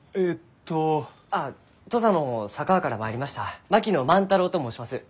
あ土佐の佐川から参りました槙野万太郎と申します。